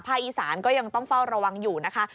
อีสานก็ยังต้องเฝ้าระวังอยู่นะคะ